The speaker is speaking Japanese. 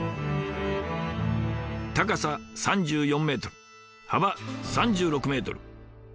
高さ３４メートル幅３６メートル。